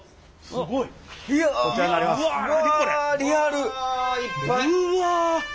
すごいね。